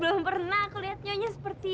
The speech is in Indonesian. belum pernah aku lihat nyonya seperti